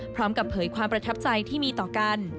พร้อมกับเผยความประทับใจที่มีต่อกัน